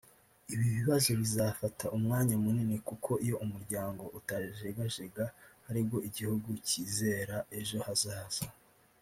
ibi bibazo bizafata umwanya munini kuko iyo umuryango utajegajega ari bwo igihugu cyizera ejo hazaza